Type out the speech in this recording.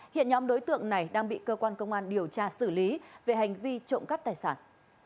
hiện nhóm đối tượng này đang bị cơ quan công an điều tra xử lý về hành vi trộm cắp tài sản